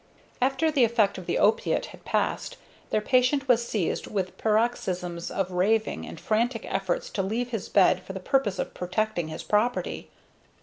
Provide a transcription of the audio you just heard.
After the effect of the opiate had passed, their patient was seized with paroxysms of raving and frantic efforts to leave his bed for the purpose of protecting his property.